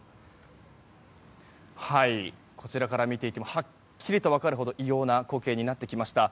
こちらから見ていてもはっきりと分かるほど異様な光景になってきました。